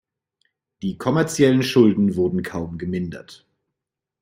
Die kommerziellen Schulden wurden kaum gemindert.